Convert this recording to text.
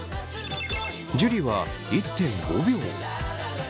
樹は１．５秒。